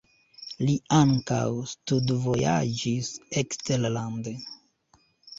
Li ankaŭ studvojaĝis eksterlande.